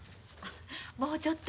もうちょっと。